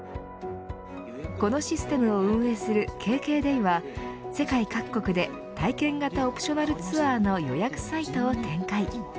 このシステムを運営するＫＫｄａｙは世界各国で体験型オプショナルツアーの予約サイトを展開。